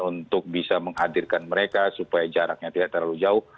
untuk bisa menghadirkan mereka supaya jaraknya tidak terlalu jauh